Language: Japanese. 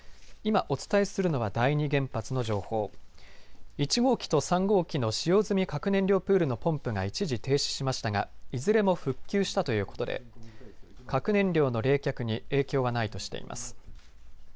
今お伝えするのは第二原発の情報、１号機と３号機の使用済み核燃料プールのポンプが一時、停止しましたがいずれも復旧したということで核燃料の冷却に影響はないとしています。